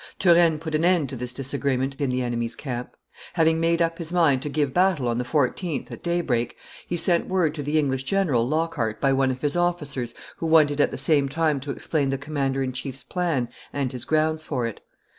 Turenne put an end to this disagreement in the enemy's camp. Having made up his mind to give battle on the 14th, at daybreak, he sent word to the English general, Lockhart, by one of his officers who wanted at the same time to explain the commander in chief's plan and his grounds for it.